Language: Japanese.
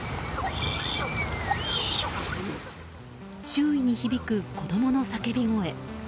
周囲に響く子供の叫び声。